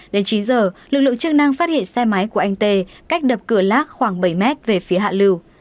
đến chín giờ lực lượng chức năng phát hiện xe máy của anh tê cách đập cửa lác khoảng bảy mét về phía hạ lưu